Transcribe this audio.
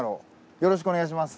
よろしくお願いします。